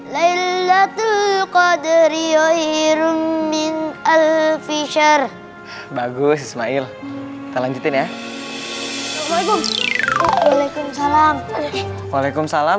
lelatul qadr ya irun min alfisya bagus ismail kita lanjutin ya waalaikumsalam waalaikumsalam